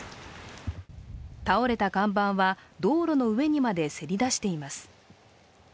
倒れた看板は道路の上にまでせり出しています。